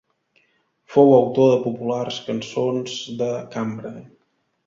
Fou autor de populars caçons de cambra.